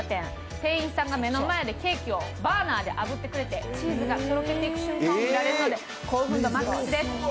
店員さんが目の前でケーキをバーナーであぶってくれてチーズがとろけていく瞬間をみられるので興奮度マックスです。